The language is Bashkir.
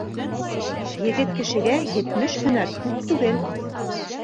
Егет кешегә етмеш һөнәр күп түгел